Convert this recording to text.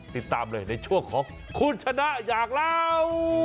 ติดตามเลยในช่วงของคุณชนะอยากเล่า